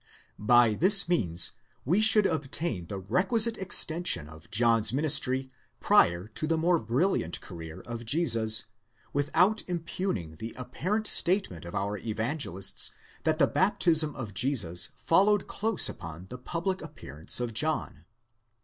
By this means we should obtain the requisite extension of John's ministry prior to the more brilliant career of Jesus, without impugning the apparent statement of our evangelists that the baptism of Jesus followed lose upon the public appearance of John.